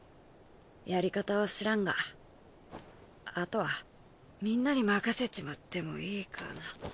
やり方は知らんがあとはみんなに任せちまってもいいかな。